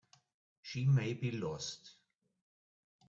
She may be lost.